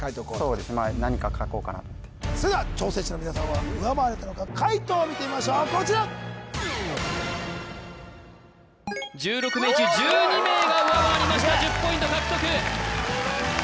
そうですねまあそれでは挑戦者の皆さんは上回れたのか解答を見てみましょうこちら１６名中１２名が上回りました１０ポイント獲得・すごい！